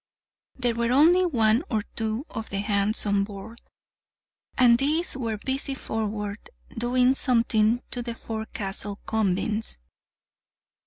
There were only one or two of the hands on board, and these were busy forward, doing something to the forecastle combings.